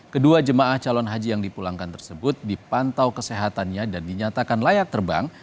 kedua jemaah calon haji yang dipulangkan tersebut dipantau kesehatannya dan dinyatakan layak terbang